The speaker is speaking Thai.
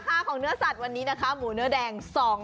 ของเนื้อสัตว์วันนี้นะคะหมูเนื้อแดง